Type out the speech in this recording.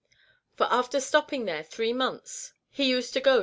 For after stopping there three months he used to go to 2 D VOL.